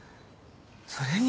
それに。